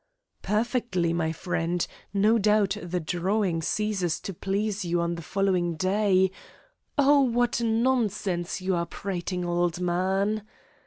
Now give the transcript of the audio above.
"Perfectly, my friend. No doubt the drawing ceases to please you on the following day " "Oh, what nonsense you are prating, old man!